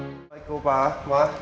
assalamualaikum pak ma